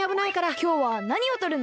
きょうはなにをとるの？